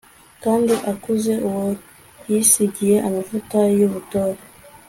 kandi akuze uwo yisigiye amavuta y'ubutore